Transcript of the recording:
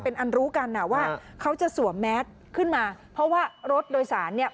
เป็นอันรู้กันอ่ะว่าเขาจะสวมแมสขึ้นมาเพราะว่ารถโดยสารเนี่ย